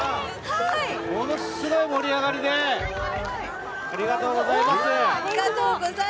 ものすごい盛り上がりでありがとうございます。